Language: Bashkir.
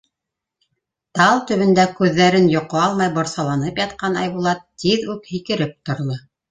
Тал төбөндә күҙҙәрен йоҡо алмай борҫаланып ятҡан Айбулат тиҙ үк һикереп торҙо.